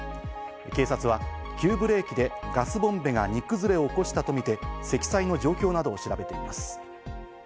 警察は急ブレーキでガスボンベが荷崩れを起こしたとみて積載の状況などを調べています。